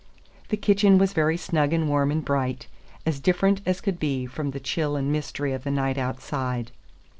The kitchen was very snug and warm and bright, as different as could be from the chill and mystery of the night outside.